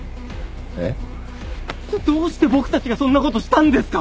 えっ？どうして僕たちがそんなことしたんですか！